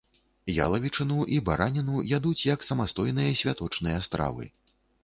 Ялавічыну і бараніну ядуць як самастойныя святочныя стравы.